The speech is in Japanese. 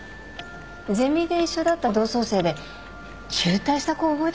ゼミで一緒だった同窓生で中退した子覚えてない？